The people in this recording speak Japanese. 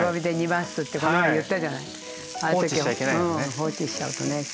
放置しちゃうとね。